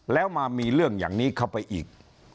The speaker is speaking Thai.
แล้วมามีเรื่องอย่างนี้เข้าไปอีก